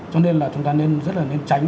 cho nên là chúng ta nên rất là nên tránh